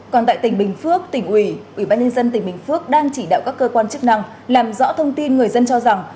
còn tại tỉnh bình phước tỉnh ủy ủy ban nhân dân tỉnh bình phước đang chỉ đạo các cơ quan chức năng làm rõ thông tin người dân cho rằng